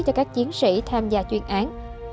cho các chiến sĩ tham gia chuyên án